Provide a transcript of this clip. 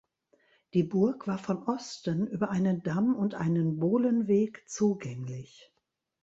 Die Burg war von Osten über einen Damm und einen Bohlenweg zugänglich.